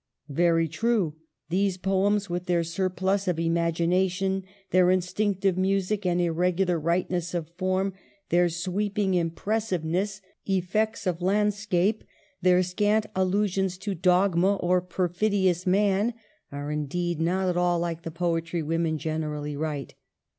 Very true ; these poems with their surplus of imagination, their instinctive music and irregular Tightness of form, their sweeping impressiveness, 174 EMILY BRONTE. effects of landscape, their scant allusions to dog ma or perfidious man, are, indeed, not at all like the poetry women generally write.